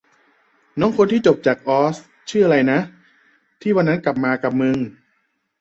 น้องคนที่จบจากออสชื่ออะไรนะ ที่วันนั้นมากับมึง